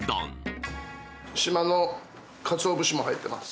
島のかつお節も入ってます。